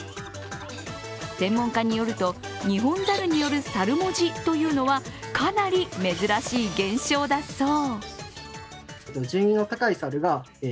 専門家によると、ニホンザルによる猿文字というのはかなり珍しい現象だそう。